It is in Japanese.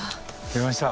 来ました。